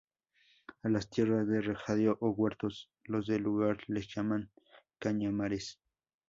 A las tierras de regadío, o huertos, los del lugar les llaman cañamares.